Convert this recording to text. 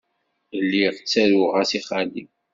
Lliɣ ttaruɣ-as i xali.